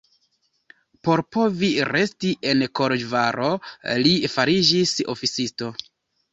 Por povi resti en Koloĵvaro li fariĝis oficisto.